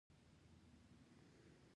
اسلام د صداقت دین دی.